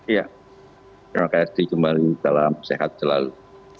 iya terima kasih jum'at salam sehat selalu